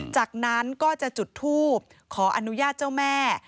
จากนั้นก็จะจุดทูบขออนุญาตเจ้าแม่